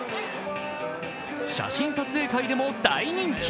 写真撮影会でも大人気。